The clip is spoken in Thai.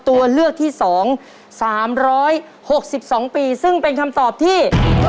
ตัวเลือกที่๒๓๖๒ปีซึ่งเป็นคำตอบที่